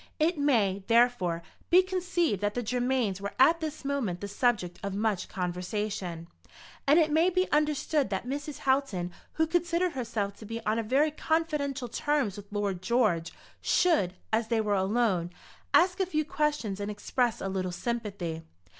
It may, therefore, be conceived that the Germains were at this moment the subject of much conversation, and it may be understood that Mrs. Houghton, who considered herself to be on very confidential terms with Lord George, should, as they were alone, ask a few questions and express a little sympathy.